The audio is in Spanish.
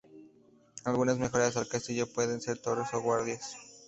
Algunas mejoras al castillo pueden ser torres o guardias.